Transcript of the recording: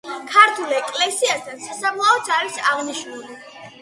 ქართულ ეკლესიასთან სასაფლაოც არის აღნიშნული.